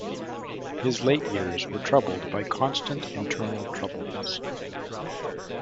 His late years were troubled by constant internal troubles.